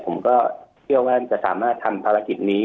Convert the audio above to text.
ผมก็เชื่อว่าจะสามารถทำภารกิจนี้